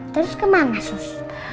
terus kemana sus